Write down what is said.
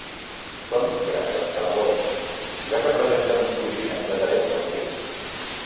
Són grans escaladors, ja que presenten uns coixinets adherents als dits.